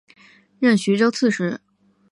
任徐州刺史。